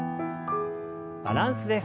バランスです。